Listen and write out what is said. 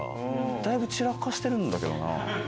だいぶ散らかしてるんだけどな。